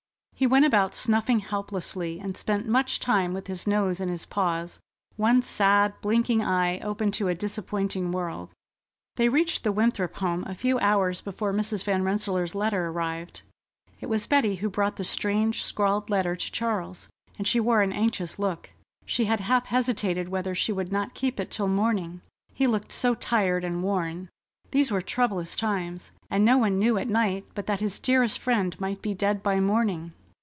He went about snuffing helplessly, and spent much time with his nose in his paws, one sad blinking eye open to a disappointing world. They reached the Winthrop home a few hours before Mrs. Van Rensselaer's letter arrived. It was Betty who brought the strange, scrawled letter to Charles, and she wore an anxious look. She had half hesitated whether she would not keep it till morning, he looked so tired and worn. These were troublous times, and no one knew at night but that his dearest friend might be dead by morning.